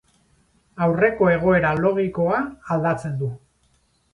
Aurreko egoera logikoa aldatzen du.